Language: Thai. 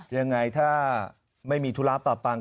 ยังไงถ้าไม่มีธุระปะปัง